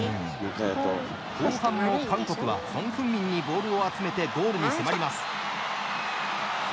後半も韓国はソン・フンミンにボールを集めてゴールに迫ります。